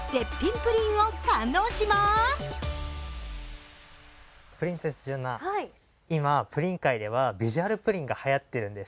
プリンセス純菜、今、プリン界ではビジュアルプリンがはやっているんです。